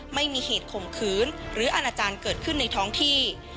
ไม่มีเหตุข่มขืนหรืออาณาจารย์เกิดขึ้นในท้องที่